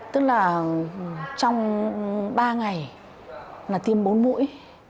tức là trong ba ngày là tiêm bốn mũi